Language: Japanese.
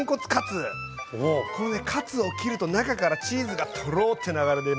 このねカツを切ると中からチーズがトロッて流れ出ます。